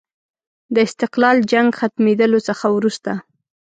د استقلال جنګ ختمېدلو څخه وروسته.